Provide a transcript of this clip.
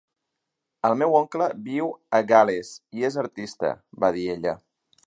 "El meu oncle viu a Gal·les i és artista", va dir ella.